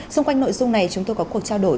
xung quanh nội dung này chúng tôi có cuộc trao đổi